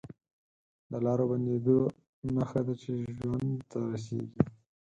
د لارو بندېدو نښه ده چې ژوند ته رسېږي